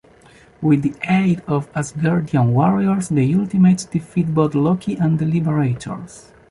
With the aid of Asgardian warriors, the Ultimates defeat both Loki and the Liberators.